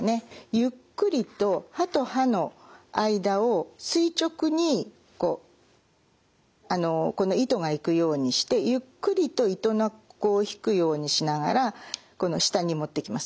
ゆっくりと歯と歯の間を垂直に糸が行くようにしてゆっくりと糸のこを引くようにしながらこの下に持ってきます。